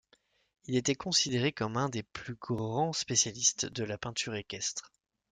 Il était considéré comme un des plus grands spécialistes de la peinture équestre.